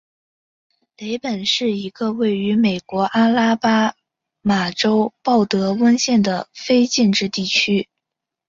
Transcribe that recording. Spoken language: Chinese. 雷本是一个位于美国阿拉巴马州鲍德温县的非建制地区。